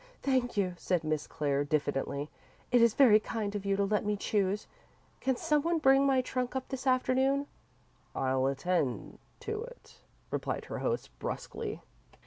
"Thank you," said Miss St. Clair, diffidently; "it is very kind of you to let me choose. Can some one bring my trunk up this afternoon?" "I'll attend to it," replied her host, brusquely.